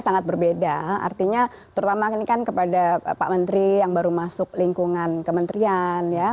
sangat berbeda artinya terutama ini kan kepada pak menteri yang baru masuk lingkungan kementerian ya